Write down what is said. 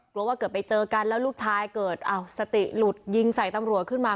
ว่าเกิดไปเจอกันแล้วลูกชายเกิดอ้าวสติหลุดยิงใส่ตำรวจขึ้นมา